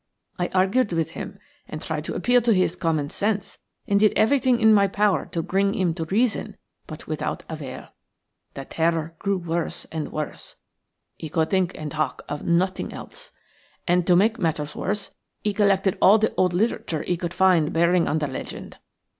I argued with him and tried to appeal to his common sense, and did everything in my power to bring him to reason, but without avail. The terror grew worse and worse. He could think and talk of nothing else, and, to make matters worse, he collected all the old literature he could find bearing on the legend.